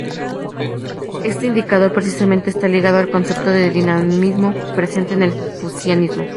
Este indicador precisamente está ligado al concepto del dinamismo presente en el confucianismo.